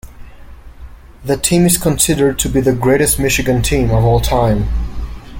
The team is considered to be the greatest Michigan team of all time.